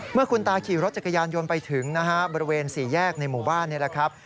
เมื่อคุณตาขี่รถจักรยานยนต์ไปถึงนะฮะบริเวณสี่แยกในหมู่บ้านนี่แหละครับ